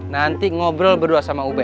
nanti ngobrol berdua sama ube